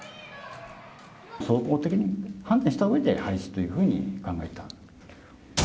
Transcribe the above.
総合的に判断したうえで、廃止というふうに考えたと。